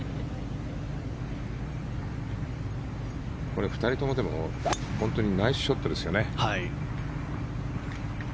これ、２人とも本当にナイスショットですよね。